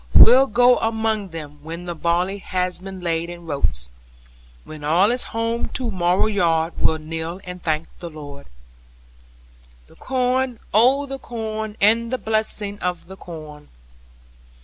We'll go among them, when the barley has been laid in rotes: When all is home to mow yard, we'll kneel and thank the Lord. 5 The corn, oh the corn, and the blessing of the corn!